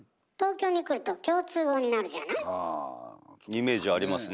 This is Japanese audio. イメージありますね。